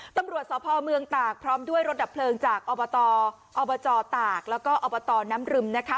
ตำรวจสพเมืองตากพร้อมด้วยรถดับเพลิงจากอบตอบจตากแล้วก็อบตน้ำรึมนะคะ